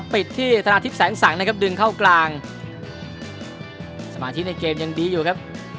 ปิดที่ธนาทิพย์แสงสังนะครับดึงเข้ากลางสมาธิในเกมยังดีอยู่ครับ